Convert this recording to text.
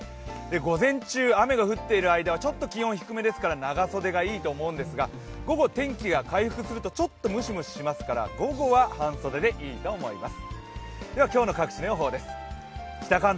午前中、雨が降っている間はちょっと気温、低めですから長袖がいいと思うんですが午後天気が回復するとちょっとムシムシしますから午後は半袖でいいと思います。